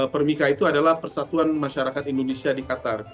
permika itu adalah persatuan masyarakat indonesia di qatar